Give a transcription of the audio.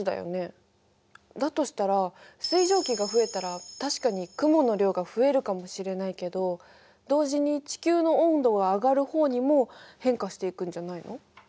だとしたら水蒸気が増えたら確かに雲の量が増えるかもしれないけど同時に地球の温度が上がる方にも変化していくんじゃないの？